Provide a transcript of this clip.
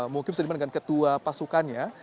mungkin sedang dengan ketua pasukannya